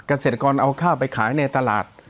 เกษตรกรเอาข้าวไปขายในตลาด